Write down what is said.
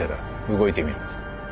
動いてみろ。